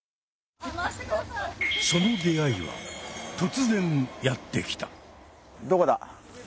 その出会いは突然やって来た！どこだ？